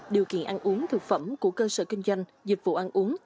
điều kiện ăn uống thực phẩm của cơ sở kinh doanh dịch vụ ăn uống